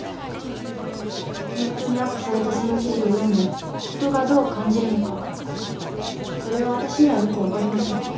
ネットにアップされたその記事を読んで人がどう感じるのかそれは私にはよく分かりません。